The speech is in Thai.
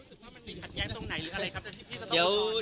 สวัสดีครับ